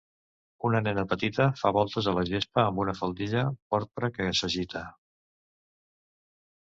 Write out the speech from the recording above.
Una nena petita fa voltes a la gespa amb una faldilla porpra que s'agita